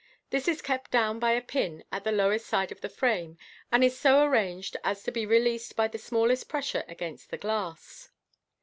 This is kept down by a pin at the lower side of the frame, and is so arranged as to be released by the smallest pressure against the glass.